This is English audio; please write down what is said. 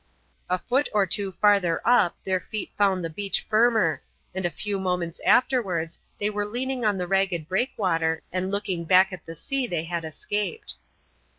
A foot or two farther up their feet found the beach firmer, and a few moments afterwards they were leaning on the ragged breakwater and looking back at the sea they had escaped.